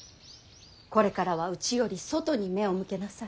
これからは内より外に目を向けなさい。